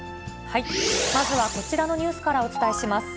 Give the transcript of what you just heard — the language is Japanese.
まずはこちらのニュースからお伝えします。